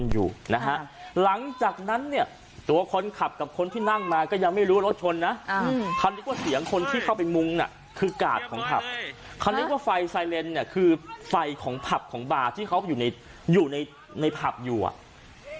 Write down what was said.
มุ้งน่ะคือกาดของผับคันนี้ก็ไฟไซเรนเนี่ยคือไฟของผับของบาร์ที่เขาอยู่ในผับอยู่อ่ะ